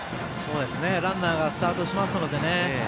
ランナーがスタートしますのでね。